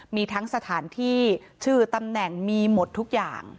มีทั้งสถานที่ชื่อตำแหน่งมีหมดทุกอย่าง